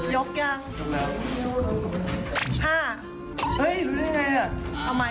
ยกยังห้าเฮ้ยรู้ได้ยังไง